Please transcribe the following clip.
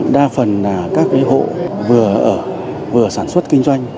đa phần là các hộ vừa ở vừa sản xuất kinh doanh